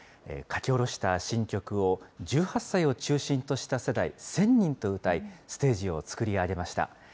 書き下ろした新曲を、１８歳を中心とした世代１０００人と歌い、ステージを作り上げました。